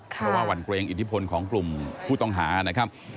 เพราะว่าหวั่นเกรงอิทธิพลของกลุ่มผู้ต้องหานะครับ